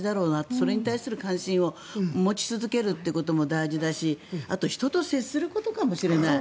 それに対する関心を持ち続けることも大事だしあと人と接することかもしれない。